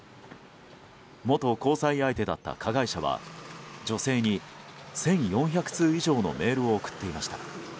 元交際相手だった加害者は女性に１４００通以上のメールを送っていました。